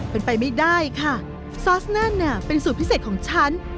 เป็นไปไม่ได้ค่ะซอสนั่นน่ะเป็นสูตรพิเศษของฉัน